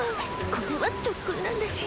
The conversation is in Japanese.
これは特訓なんだし！